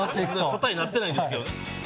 答えになってないんですけど。